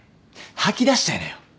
吐き出しちゃいなよ